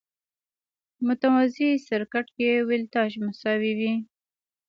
متوازي سرکټ کې ولټاژ مساوي وي.